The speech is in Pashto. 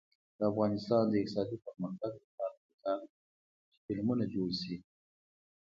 د افغانستان د اقتصادي پرمختګ لپاره پکار ده چې فلمونه جوړ شي.